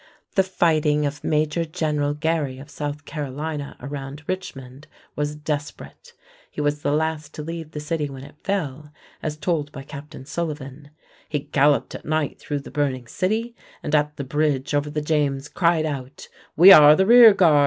The fighting of Major General Gary of South Carolina around Richmond was desperate. He was the last to leave the city when it fell, as told by Captain Sullivan: "He galloped at night through the burning city, and at the bridge over the James cried out, 'We are the rear guard.